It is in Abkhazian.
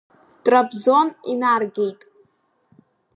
Трабзон инаргеит.